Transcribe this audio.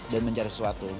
dan mencari sesuatu